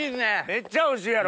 めっちゃおいしいやろ？